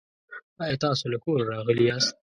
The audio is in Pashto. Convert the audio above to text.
آیا تاسو له کوره راغلي یاست؟